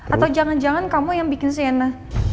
atau jangan jangan kamu yang bikin sienna